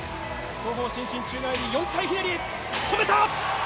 後方伸身宙返り４回ひねり、止めた。